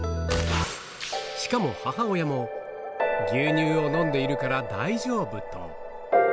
しかも、母親も、牛乳を飲んでいるから大丈夫と。